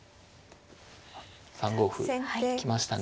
あっ３五歩来ましたね。